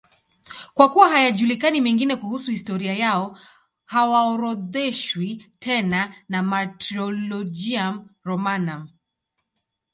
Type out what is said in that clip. Kwa kuwa hayajulikani mengine kuhusu historia yao, hawaorodheshwi tena na Martyrologium Romanum.